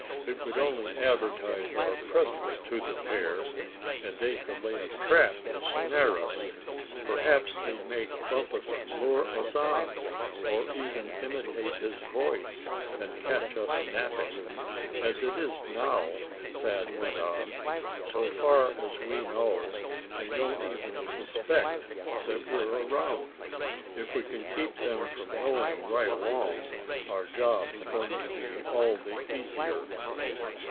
"It would only advertise our presence to the pair, and they could lay a trap to snare us. Perhaps they'd make Bumpus lure us on, or even imitate his voice and catch us napping. As it is now," Thad went on, "so far as we know, they don't even suspect that we're around. If we can keep them from knowing right along, our job's going to be all the easier."